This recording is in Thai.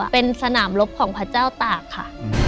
เป็นสนามรบของพระเจ้าตากค่ะ